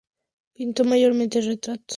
Pintó mayormente retratos.